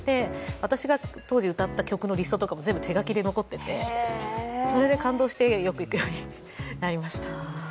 私が当時歌った曲のリストとかも手書きで残っていてそれで感動して、よく行くようになりました。